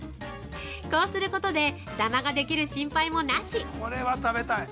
こうすることでダマができる心配もなし！